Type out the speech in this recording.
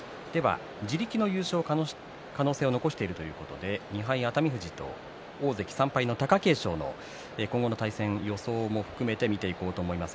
自力の優勝の可能性を残しているということで２敗、熱海富士と大関３敗の貴景勝の今後の対戦予想も含めて見ていこうと思います。